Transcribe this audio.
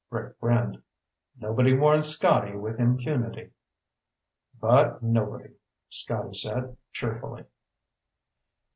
Rick grinned. "Nobody warns Scotty with impunity." "But nobody!" Scotty said cheerfully.